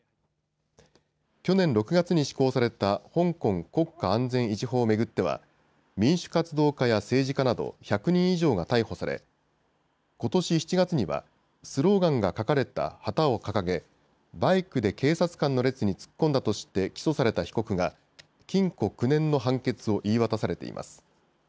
去年６月に施行された香港国家安全維持法を巡っては民主活動家や政治家など１００人以上が逮捕されことし７月にはスローガンが書かれた旗を掲げバイクで警察官の列に突っ込んだとして起訴された被告が禁錮９年の判決を言い渡されています。